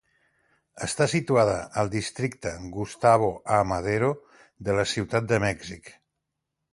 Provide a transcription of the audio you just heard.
Està situada al districte Gustavo A. Madero de la ciutat de Mèxic.